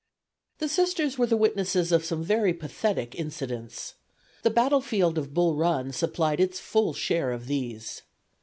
The Sisters were the witnesses of some very pathetic incidents. The battlefield of Bull Run supplied its full share of these.